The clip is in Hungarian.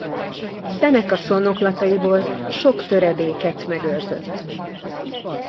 Seneca szónoklataiból sok töredéket megőrzött.